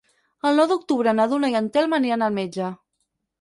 El nou d'octubre na Duna i en Telm aniran al metge.